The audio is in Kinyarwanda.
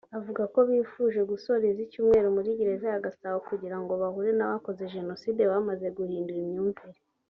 avuga ko bifuje gusoreza icyumweru muri Gereza ya Gasabo kugirango bahure n’abakoze jenoside bamaze guhindura imyumvire